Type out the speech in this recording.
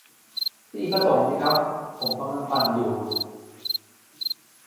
พี่ก็ส่งสิครับ ผมกำลังปั่นอยู่